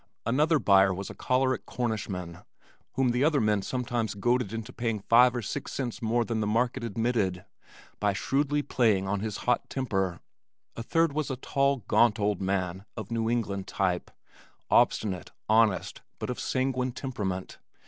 Another buyer was a choleric Cornishman whom the other men sometimes goaded into paying five or six cents more than the market admitted, by shrewdly playing on his hot temper. A third was a tall gaunt old man of New England type, obstinate, honest, but of sanguine temperament.